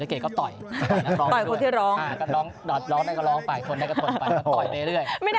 ก็ได้ร้องไหม